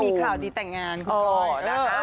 น่าจะมีข่าวดีแต่งงานคุณก้อย